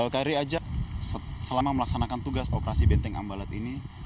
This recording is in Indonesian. kri ajak selama melaksanakan tugas operasi benteng ambalat ini